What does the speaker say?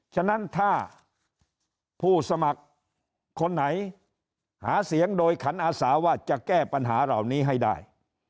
ฉะนั้นถ้าผู้สมัครคนไหนหาเสียงโดยขันอาสาว่าจะแก้ปัญหาเหล่านี้ให้ได้